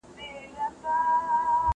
دغه کیسه چا درته کړې ده؟